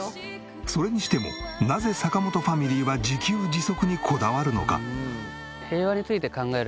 それにしてもなぜ坂本ファミリーは自給自足にこだわるのか？